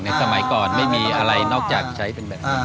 สมัยก่อนไม่มีอะไรนอกจากใช้เป็นแบบนี้